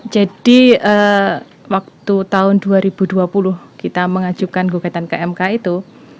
jadi waktu tahun dua ribu dua puluh kita mengajukan gugatan kmk itu